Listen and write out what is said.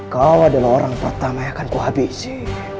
kau adalah orang pertama yang akan kuhabisi